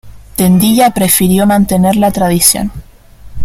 Tendilla prefirió mantener la tradición.